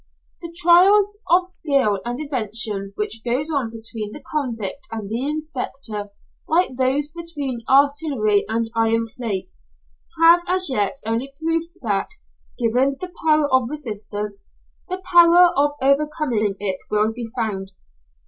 The trials of skill and invention which goes on between the convict and the inspector, like those between artillery and iron plates, have as yet only proved that, given the power of resistance, the power of overcoming it will be found.